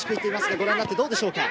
ご覧になってどうでしょう？